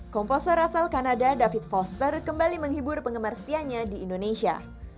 komposer asal kanada david foster kembali menghibur penggemar setianya di indonesia